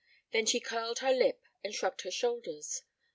Then she curled her lip and shrugged her shoulders.